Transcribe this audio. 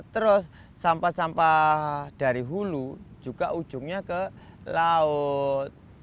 terus sampah sampah dari hulu juga ujungnya ke laut